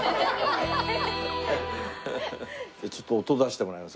ちょっと音出してもらえます？